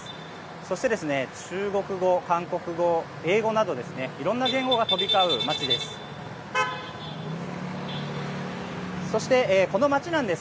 そして、中国語、韓国語英語などいろんな言語が飛び交う街です。